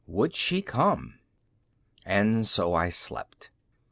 Would she come! And so I slept.